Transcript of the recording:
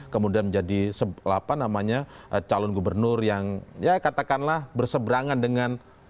kemudian menjadi calon gubernur yang ya katakanlah berseberangan dengan